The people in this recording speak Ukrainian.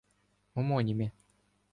Омоніми